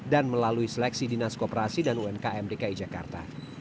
dan melalui seleksi dinas kooperasi dan unkm dki jakarta